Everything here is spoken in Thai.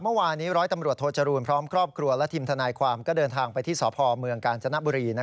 เมื่อวานนี้ร้อยตำรวจโทจรูลพร้อมครอบครัวและทีมทนายความก็เดินทางไปที่สพเมืองกาญจนบุรี